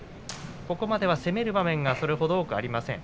ここまでは攻める場面がそれほど多くありません。